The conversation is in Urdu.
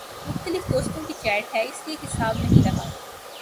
مختلف دوستوں کی چیٹ ہے اس لیے حساب نہیں رہا